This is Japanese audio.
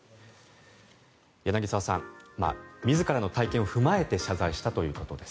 柳澤さん自らの体験を踏まえて謝罪したということです。